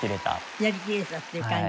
やりきれたっていう感じ。